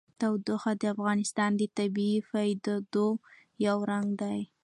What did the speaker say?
تودوخه د افغانستان د طبیعي پدیدو یو رنګ دی.